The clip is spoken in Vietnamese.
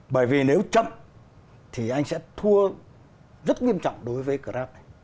bởi vì nếu chậm thì anh sẽ thua rất nghiêm trọng đối với grab này